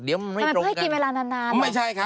เดี๋ยวมันไม่ตรงกันทำไมเพื่อให้กินเวลานาน